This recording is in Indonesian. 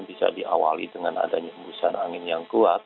bisa diawali dengan adanya embusan angin yang kuat